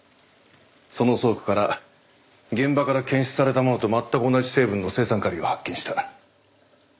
その倉庫から現場から検出されたものと全く同じ成分の青酸カリを発見した。